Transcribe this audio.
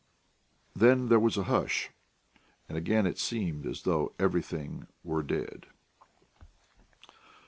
Then there was a hush; and again it seemed as though everything were dead.